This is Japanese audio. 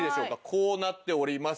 こうなっております。